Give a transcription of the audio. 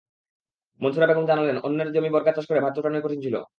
মনসুরা বেগম বললেন, অন্যের জমি বর্গা চাষ করে ভাত জোটানোই কঠিন ছিল।